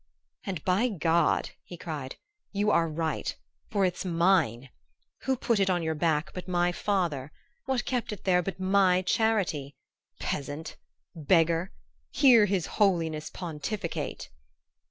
"And, by God," he cried, "you are right; for it's mine! Who put it on your back but my father? What kept it there but my charity? Peasant! beggar! Hear his holiness pontificate!"